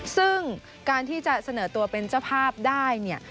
ซึ่งการที่จะเสนอตัวเป็นเจ้าภาพได้เนี่ย